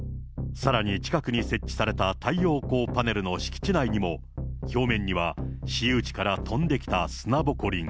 さらに近くに設置された太陽光パネルの敷地内にも、表面には私有地から飛んできた砂ぼこりが。